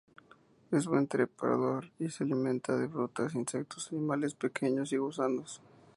Es un buen trepador y se alimenta de frutas, insectos, animales pequeños y gusanos.